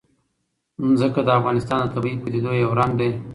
ځمکه د افغانستان د طبیعي پدیدو یو رنګ دی.